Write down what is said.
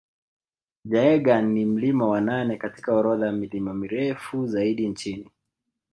Jaeger ni mlima wa nane katika orodha milima mirefu zaidi nchini